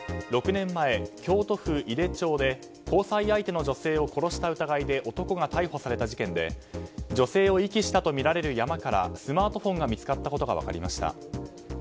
６年前、京都府井手町で交際相手の女性を殺した疑いで男が逮捕された事件で女性を遺棄したとみられる山からスマートフォンが見つかったことが分かりました。